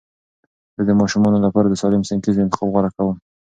زه د ماشومانو لپاره د سالم سنکس انتخاب غوره کوم.